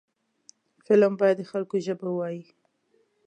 فلم باید د خلکو ژبه ووايي